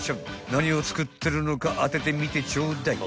［何を作ってるのか当ててみてちょうだい］